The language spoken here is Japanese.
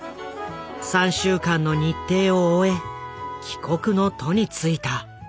３週間の日程を終え帰国の途に就いた。